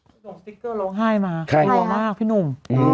ส่งสติ๊กเกอร์ร้องไห้มาใครนะรอมากพี่หนุ่มอ๋อ